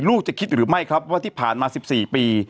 จะคิดหรือไม่ครับว่าที่ผ่านมา๑๔ปี